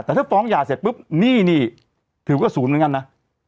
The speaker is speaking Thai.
แต่ถ้าฟ้องหย่าเสร็จปุ๊บหนี้นี่ถือว่าศูนย์เหมือนกันนะ